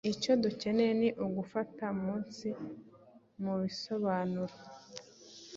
Icyo dukeneye ni ugufata munsi mubisobanuro